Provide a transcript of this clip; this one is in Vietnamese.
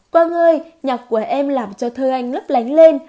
quang ơi nhạc của em làm cho thơ anh lấp lánh lên